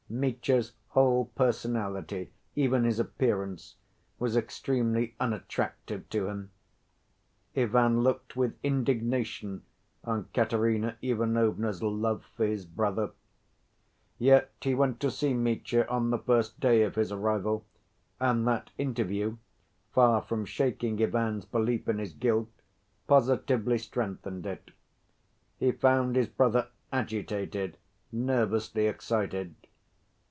Mitya's whole personality, even his appearance, was extremely unattractive to him. Ivan looked with indignation on Katerina Ivanovna's love for his brother. Yet he went to see Mitya on the first day of his arrival, and that interview, far from shaking Ivan's belief in his guilt, positively strengthened it. He found his brother agitated, nervously excited.